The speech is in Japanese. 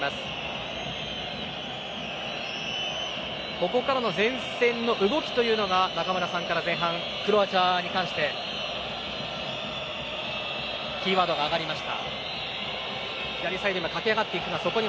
ここからの前線の動きが中村さんから前半クロアチアに関してキーワードが挙がりました。